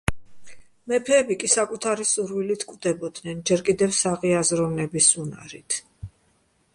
მეფეები კი საკუთარი სურვილებით კვდებოდნენ, ჯერ კიდევ საღი აზროვნების უნარით.